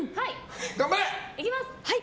頑張れ！